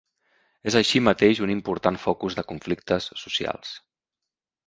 És així mateix un important focus de conflictes socials.